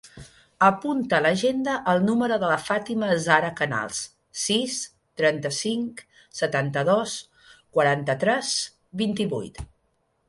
Apunta a l'agenda el número de la Fàtima zahra Canals: sis, trenta-cinc, setanta-dos, quaranta-tres, vint-i-vuit.